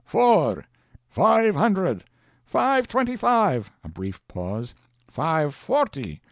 "Four!" "Five hundred!" "Five twenty five." A brief pause. "Five forty!"